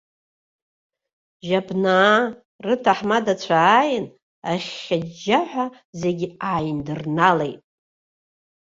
Жьабнаа рыҭаҳмадцәа ааин, ахьхьаџьџьаҳәа зегь ааиндраалеит!